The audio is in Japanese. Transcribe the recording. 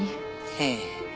ええ。